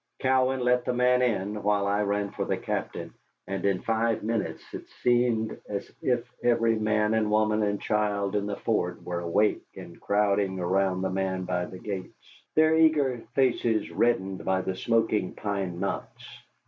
Cowan let the man in, while I ran for the captain, and in five minutes it seemed as if every man and woman and child in the fort were awake and crowding around the man by the gates, their eager faces reddened by the smoking pine knots.